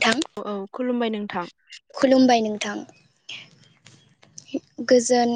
नोंथां औ औ खुलुमबाय नोंथां खुलुमबाय नोंथां, गोजोन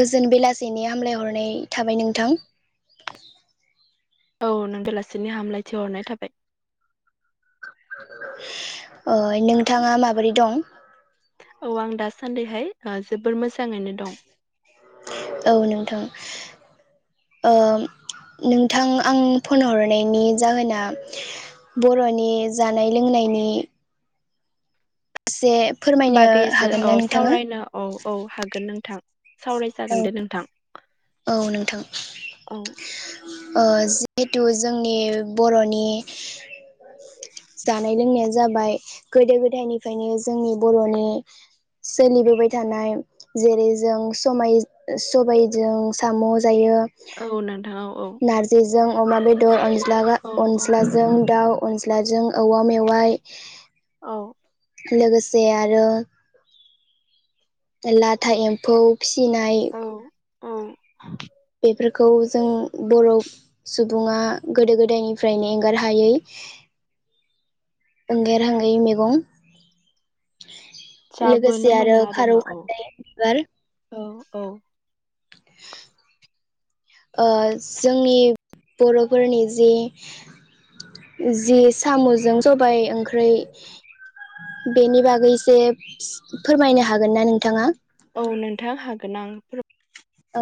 गोजोन बेलासेनि हामलायहरनाय थाबाय नोंथां, औ नों बेलासिनि हामलायथि हरनाय थाबाय ओइ नोंथाङा माबोरै दं? औ आं दासान्दिहाय जोबोर मोजाङैनो दं। औ नोंथां ओ नोंथां आं फन हरनायनि जाहोना बर'नि जानाय लोंनायनि से बागैसो अ सावरायनो औ औ हागोन नोंथां, सावरायजागोन दे नोंथां, औ नोंथां, औ ओ जिहेथु जोंनि बर'नि जानाय लोंनायानो जाबाय गोदो गोदायनिफ्रायनो जोंनि बर'नि सोलिबोबाय थानाय जेरै जों समाय सबायजों साम, जायो, औ नोंथां औ नारजि जों अमा बेदर लागा औ अनस्लाजों दाउ, नाजों, औवा मेवाइ औ लोगोसे आरो लाथा, एम्फौ, फिसिनाय औ औ। बेफोरखौ जों ब'र सुबुङा गोदो गोदायनिफ्रायनो एंगारहायै एंगारहायै मैगं, जाबोनो लोगोसे आरो मोनो खारौ आरोना औ खान्दाय बिबार औ औ ओ जोंनि बर'फोरनि जि जि सामजों सबाय ओंख्रै बेनि बागै एसे फोरमायनो हागोन ना नोंथाङा? औ नोंथां हागोन आं फोर औ।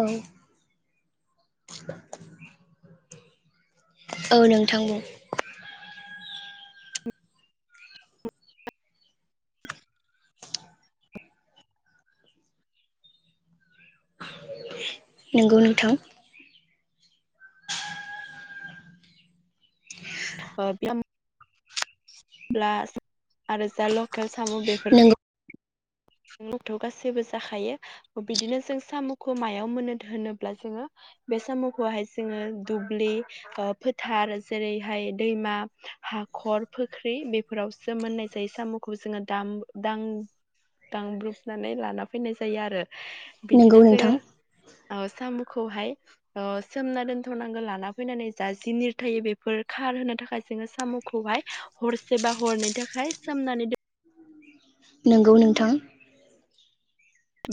औ नोंथां बुं। नंगौ नोंथां। ब्लास आरो जा लकेल, साम बेफोर नंगौ [unintelligible] गासैबो जाखायो। बिदिनो जों सामखौ मायाव मोनो होनोब्ला जोङो बे सामखौहाय जोङो दुब्लि फोथार जेरैहाय दैमा हाखर फुख्रि बेफोरावसो मोननाय जायो। सामखौ जोङो दाम दां दांग्रोबनानै लाना फैनाय जायो आरो। नोंगौ बिदिनो नोंथां जोङो ओ सामखौहाय ओ सोमना दोनथनांगौ लाना फैनानै जा जिनिर थायो बेफोर खारहोनो थाखाय जोङो सामखौहाय हरसे बा हरनैनि थाखाय सोमनानै दोन नंगौ नोंथां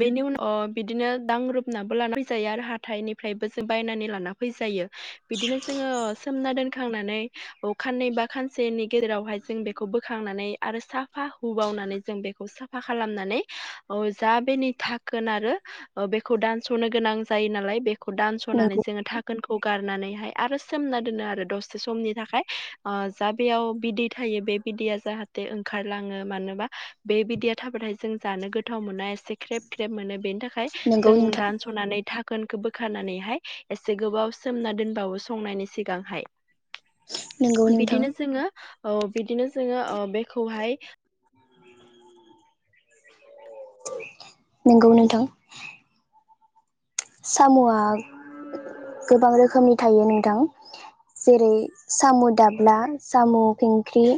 बेनि उन ओ बिदिनो दांब्रुबनाबो लाना फैजायो आरो हाथाइनिफ्रायबो जों बायनानै लाना फैजायो। बिदिनो जोङो सोमना दोन खांनानै अखाननै बा खानसेनि गेजेराव उनाव जों बेखौ बोखांनानै आरो साफा हुबावनानै जों बेखौ साफा खालामनानै ओ जा बेनि दाखोन आरो बेखौ दानसनो गोनां जायोनालाय बे खौ दानसनानै नोंगौ जोङो दा खोनखौ गारनानैहाय आरो सोमना दोनो आरो दसे समनि थाखाय ओ जा बेयाव बिदै थायो बे बिदैया जाहाथे ओंखारलाङो मानोबा बे बिदैया थाबाथाय जों जानो गोथाव मोना एसे ख्रेब ख्रेब मोनो बेनि थाखाय फाय नोंगौ जों नोंथां दानसनानै दा खोनखौ बोखारनानैहाय एसे गोबाव सोमना दोनबावो संनायनि सिगांहाय नोंगौ नोंथां बिदिनो जोङो औ बिदिनो जोङो ओ बेखौहाय नंगौ नोंथां सामआ गोबां रोखोमनि थायो नोंथां जेरै साम दाब्ला साम खिंख्रि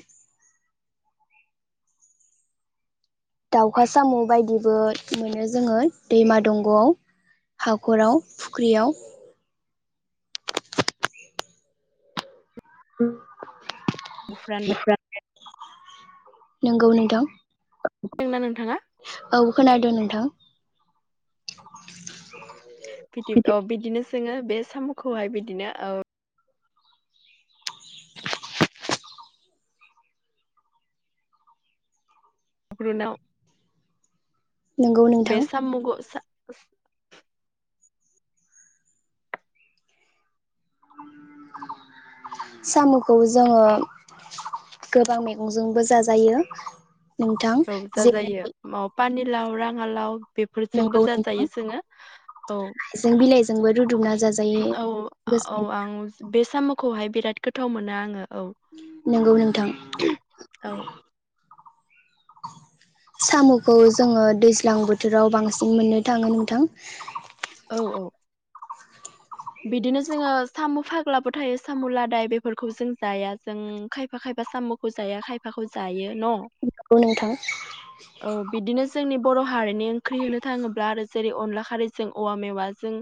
दाउखा साम बायदिबो मोनो जोङो दैमा दंगआव हाखराव फुख्रियाव। [unintelligible] नंगौ नोंथां दोंना नोंथाङा औ खोनादों नों थां बिदि अ बिदिनो जोङो बे सामखौहाय बिदिनो औ [unintelligible] नोंगौ बे नोंथां सामखौ सा [inaudible] सामखौ जोङो गोबां मैगंजोंबो जाजायो। नोंथां [unintelligible] लाव राङालाव बेफोरजोंबो नोंगौ जाजायो नोंथां जोङो औ जोंबो रुदबना जा औ औ आं बे सामखौहाय बिराद गोथाव मोनो आङो औ नंगौ नोंथां औ सामखौ जोङो दैज्लां बोथोराव बांसिन मोननो थाङो नोंथां औ औ बिदिनो जोङो साम फाग्लाबो थायो साम लादाय बेफोरखौ जों जाया जों खायफा खायफा सामखौ जाया खायफाखौ जायो। न नंगौ नोंथां औ बिदिनो जोंनि बर हारिनि ख्रि होननो थाङोब्ला आरो जो जेरै अनला खारैजों औवा मेवाजों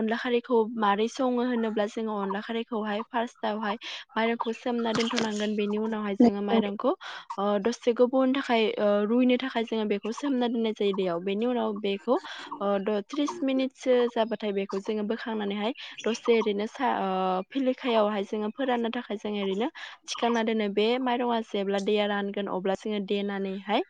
अनला खारैखौ खौ मारै सङो होनोब्ला जोङो अनला खारैखौहाय फार्स्टआवहाय माइरंखौ सोमना दोन्थनांगोन बेनि उनावहाय जोङो माइरंखौ अ दसे गोबावनि थाखाय ओ रुइनो थाखाय जोङो बेखौ सोमना दोननाय जायो दैयाव बेनि उनाव बेखौ ओ द थ्रिस मिनिटसो जाबाथाय बेखौ जों खांनानैहाय दसे ओरैनो सा ओ फिलिखायावहाय जोङो फोराननो थाखाय जोङो ओरैनो थिखांना दोनो बे माइरङा जेब्ला दैया रानगोन अब्ला जोङो देनानैहाय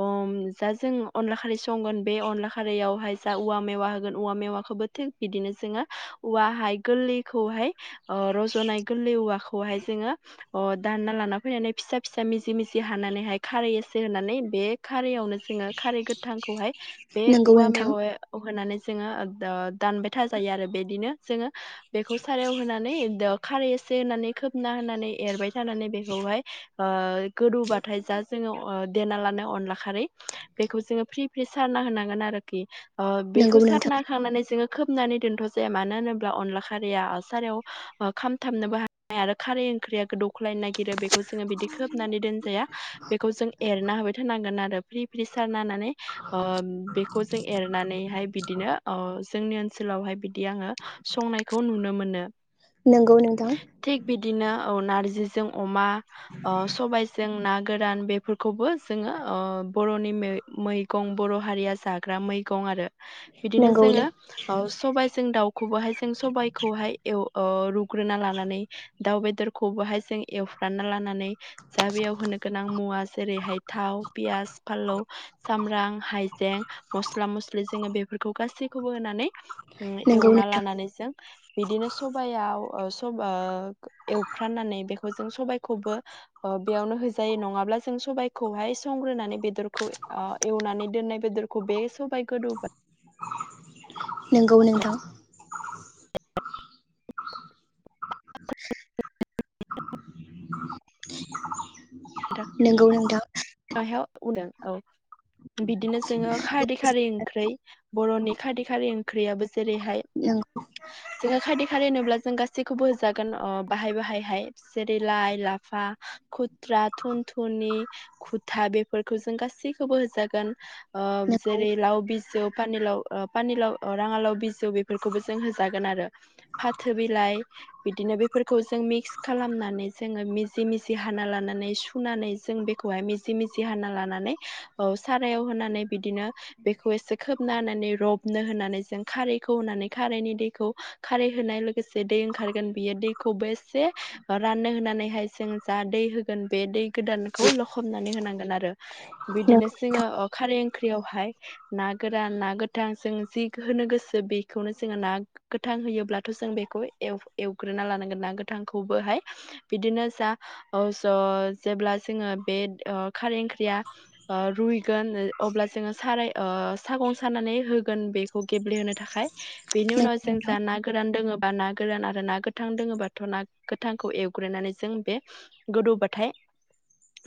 अम जा जों अनला खारि संगोन बे अनला खारियावहाय जा औवा मेवा होगोन औवा मेवाखौबो थिग बिदिनो जोङो औवाहाय गोरलैखौहाय ओ रजनाय गोरलै औवाखौहाय जोङो अ दानना लाना फैनानै फिसा फिसा मिजि मिजि हानानैहाय खारै एसे होनानै बे खारैयावनो जोङो खारै गोथांखौहाय बे नंगौ औवा नोंथां मेवइआव होनानै जोङो ओबद अ दानबाय थाज जायो आरो बेदिनो जोङो। बेखौ सारायाव होनानै दो खारै इसे होननानै खोबना होनानै एरबायथ थानानै बेखौहाय ओ गोदौबाथाय जा जोङो अ देना लाना अनलाखारै बेखौ जोङो फ्रि फ्रि सारना होनांगोन आरोखि। ओ नंगौ बेखौ नोंथां सारना होखांनानै जोङो नानै दोनथ जाया मानो होनोब्ला अनला खारैया ओ सारायाव ओ खामथाबनोबो हानाय आरो खारै ओंख्रिया गोदौख्लायनो नागिरो बेख खौ जोङो बिदि खोबनानै दोनजाया बेखौ जों एरना होबाय थानांगोन आरो फ्रि फ्रि सारना होनानै अ बेखौ जों एरनानैहाइ बिदिनो ओ जोंनि ओन सोलावहाय बि दि आङो संनायखौ नुनो मोनो नंगौ नोंथां थिग बिदिनो औ नारजिजों अमा ओ सबायजों ना गोरान बेफोरखौबो जोङो ओ बरनि मै-मैगं बर हारिया जाग्रा मैगं आरो बिदिनो नंगौ जोङो। सबायजों दाउ खौबोहाय जों सबायखौहाय एव अ रुग्रोना लानानै दाउ बेदरखौबोहाय जों एवफ्राना लानानै जा बेयाव होनो गोनां मुवा जेरैहाय थाव पियास फालौ सामब्रां हायजें मस्ला मस्लि जोङो बेफ फोरखौ गासैखौबो होनानै ओं नंगौ एवना नोंथां लानानै जों बिदिनो सबयाव ओ स सब ओ एवफ्राननानै बेखौ जों सबाइखौबो ओ बेयावनो होजायो नङाब्ला जों सबाइखौहाय संग्रोनानै बेदरखौ ओ एवनानै दोननाय बेदरखौ बे सबाइ गोदौबा नोंगौ नोंथां। [unintelligible] [inaudible] नोंगौ नोंथां। [unintelligible] औ बिदिनो जोङो खारदै खारै ओंख्रै बर'नि खारदै खारै ओंख्रियाबो जेरैहाय जों खारदै खारै होनोब्ला जों गासैखौबो जागोन अ बाहाय बाहायहाय जेरै लाइ लाफा खु थ्रा थुन थुनि खुथा बेफोरखौ जों गासैखौबो होजागोन ओ नंगौ जेरै लाव बिजौ पानिलाव पानिलाव राङालाव बिजौ बेफोरखौबो जों होजागोन आरो फाथो बिलाइ बिदिनो बेफोरखौ जों मिक्स खालामनानै जोङो मिजि मिजि हाना लाना सुनानै जों बेखौहाय मिजि मिजि हाना लानानै औ सारायाव होनानै बिदिनो बेखौ एसे खोबना होनानै रबनो होनानै जों खारैखौ होनानै खारैनि दैखौ खारै होनाय लोगोसे दै ओंखारगोन बियो दैखौबो एसे राननो होनानैहाय जों जा दै होग गोन बे दै गोदानखौ लखबनानै होनांगोन आरो। बिदिनो जोङो अ खारै ओंख्रियावहाय ना गोरान ना गोथां जों जि होनो गोसो बेखौनो जोङो ना गोथां होयोब्लाथ' जों बेखौ एव एवग्रोना लानांगोन ना गोथांखौबोहाय बिदिनो जा ओ अ जेब्ला जोङो बे ओ खारै ओंख्रिया ओ रुइगोन अब्ला जोङो साराय ओ सागं सारनानै होगोन बेखौ गेब्लेहोनो थाखाय बेनि उनाव नंगौ जों नोंथां जा ना गोरान दोङो बा ना गोरान आरो ना गोथां दोङोबाथ' ना गोथांखौ एवग्रोनानै जों बे गोदौबथाय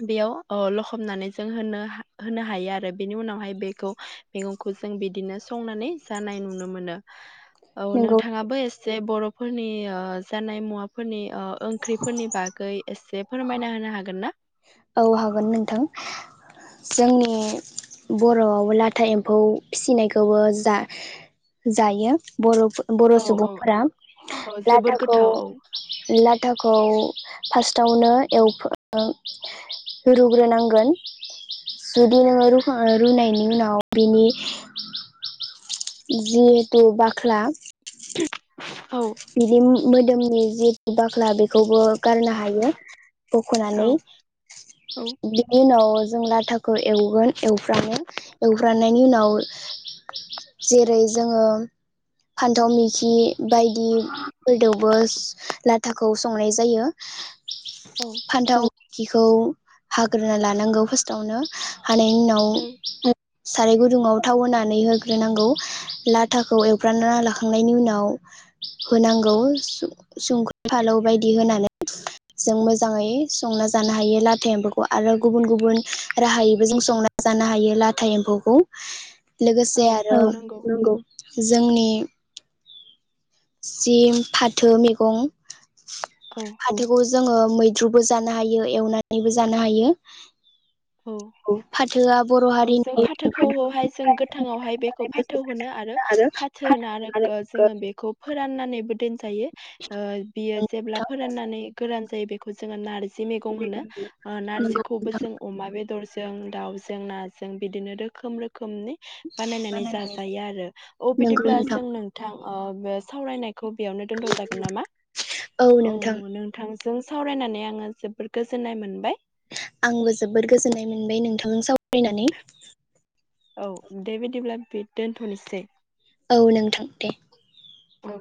बेयाव अ लखबनानै जों होनो होनो हायो आरो बेनि उनावहाय बेखौ मैगंखौ जों बिदिनो संनानै जानाय नुनो मोनो। औ नंगौ नोंथाङाबो एस जे बर'फोरनि ओ जानाय मुवाफोरनि ओ ओंख्रिफोरनि बागै एसे फोरमायना होनो हागोन ना? औ हागोन नोंथां। जोंनि बर'आवबो लाथा एम्फौ फिसिनायखौबो जा जायो बर' बर' औ औ सुबुंफोरा औ जोबोर लाथाखौ गोथाव औ थाखौ फार्स्टावनो एव रुग्रोनांगोन जुदि नोङो रूखां रुनायनि उनाव बिनि जिहेतु बाख्ला [inaudible] औ [unintelligible] मोदोमनि जि बाख्ला बेखौबो गारनो हायो औ बख'नानै बिनि उनाव जों लाथाखौ एवगोन एवफ्रामो एवफ्रामनायनि उनाव जेरै जोङो फान्थाव मैखि बायदि [unintelligible] बोस लाथाखौ संनाय जायो। औ फान्थाव खिखौ हाग्रोना लानांगौ फार्स्टआवनो हानाय औ उनाव साराय गुदुङाव थाव होनानै होग्रोनांगौ लाथाखौ एवफ्रानानै लाखांनायनि उनाव होनांगौ सुं संख्रि फालौ बायदि होनानै जों मोजाङै संना जानो हायो लाथा एम्फौखौ आरो गुबुन गुबुन राहायैबो जों संना जानो हायो लाथा एम्फौखौ। लोगोसे औ आरो नंगौ जोंनि सिम फाथो मैगं औ फाथोखौ जो जोङो मैद्रुबो जानो हायो एवनानैबो जानो हायो। औ फाथोआ बर' औ जों हारिनि फाथोखौहाय जों गोथाङावहाय बेखौ फाथो होनो आरो फाथो होनो आरो ओ जोङो बेखौ फोराननानैबो दोन जायो। ओ बेयो जेल्बा फोरानानै गोरान जायो बेखौ जोङो नार जै मैगं होनो। नंगौ ओ नारजैखौबो नोंथां जों अमा बेदर ज जों दाउजों ना जों बिदिनो रोखोम रो खोमनि बानायनानै जाजायो आरो अ बिदिब्ला जों नोंथां ओ बे सावरायनाय खौ बेयावनो दोनथ जागोन नामा औ नोंथां जों सावरायनानै आङो जोबोर गोजोननाय मोनबाय। आंबो जोबोद गोजोननाय मोनबाय नोंथांजों सावरायनानै औ दे बिदिब्ला बे दोनथनोसै औ नोंथां दे ओं